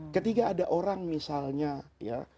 ketika ada orang misalnya ya